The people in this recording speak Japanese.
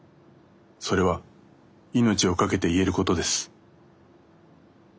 それは命をかけて言えることです」。